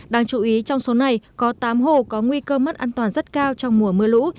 đáng chú ý trong số này có tám hồ có nguy cơ mất an toàn rất cao trong mùa mưa lũ